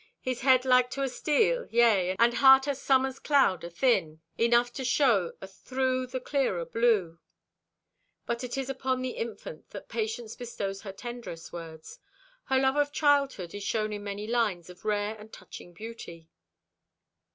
His head like to a steel, yea, and heart a summer's cloud athin (within), enough to show athrough the clear o' blue." But it is upon the infant that Patience bestows her tenderest words. Her love of childhood is shown in many lines of rare and touching beauty.